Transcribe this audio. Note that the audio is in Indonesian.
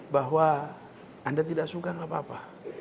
bahwa anda tidak suka tidak apa apa